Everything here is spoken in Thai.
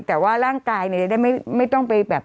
แต่ว่าร่างกายเนี่ยจะได้ไม่ต้องไปแบบ